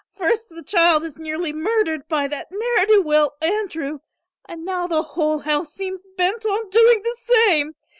First the child is nearly murdered by that ne'er do weel Andrew and now the whole house seems bent on doing the same.